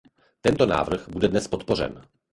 Tento návrh dnes bude podpořen.